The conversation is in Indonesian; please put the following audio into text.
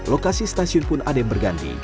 lokasi stasiun pun adem berganti